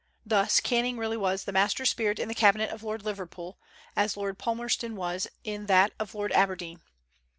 Thus, Canning really was the master spirit in the cabinet of Lord Liverpool, as Lord Palmerston was in that of Lord Aberdeen.